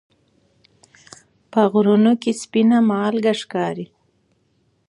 په غرونو کې سپینه مالګه ښکاري.